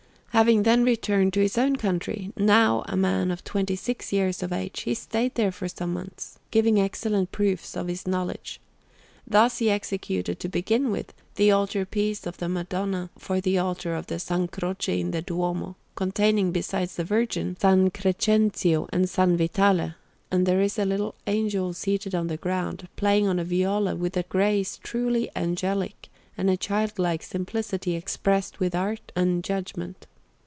Having then returned to his own country, now a man twenty six years of age, he stayed there for some months, giving excellent proofs of his knowledge. Thus he executed, to begin with, the altar piece of the Madonna for the altar of S. Croce in the Duomo, containing, besides the Virgin, S. Crescenzio and S. Vitale; and there is a little Angel seated on the ground, playing on a viola with a grace truly angelic and a childlike simplicity expressed with art and judgment.